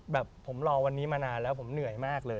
แบบผมรอวันนี้มานานแล้วผมเหนื่อยมากเลย